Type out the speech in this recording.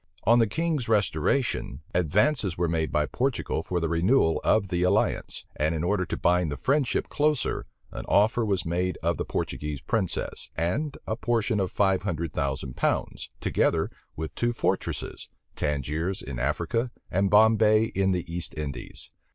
On the king's restoration, advances were made by Portugal for the renewal of the alliance; and in order to bind the friendship closer, an offer was made of the Portuguese princess, and a portion of five hundred thousand pounds, together with two fortresses, Tangiers in Africa, and Bombay in the East Indies.